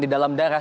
di dalam darah